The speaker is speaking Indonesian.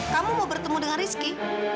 kamu mau bertemu dengan rizky